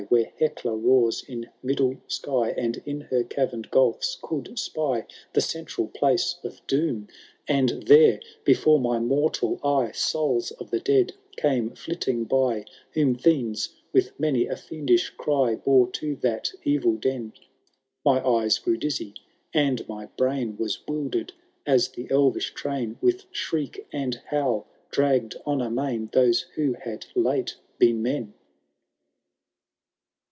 Where Hecla roars in middle sky. And in her cavem*d gulfs could spy The central place of doom ; CkmiO VL HA11OL0 THB OAUNTLX88. 189 And there before my mortal eye Souls of the dead came flittiiig by, Whom fiends, with many a fiendish cry. Bore to that evil den I My eyes grew dizzy, and my brain Was wilderM as the elvish train. With shriek and howl, dragged on amain Those who had late been men.